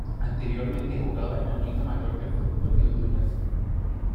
Anteriormente jugaba en la Liga Mayor de Fútbol de Honduras.